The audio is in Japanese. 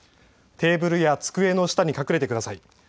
テーブルや机の下に隠れてください。